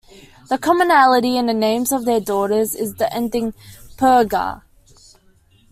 The commonality in the names of their daughters is the ending "-perga".